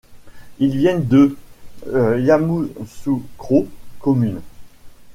Ils viennent de Yamoussoukro commune.